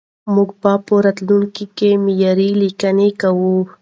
موږ به په راتلونکي کې معياري ليکنې کوو.